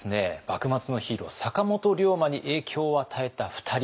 幕末のヒーロー坂本龍馬に影響を与えた２人。